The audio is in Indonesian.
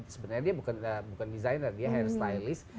sebenarnya dia bukan designer dia hair stylist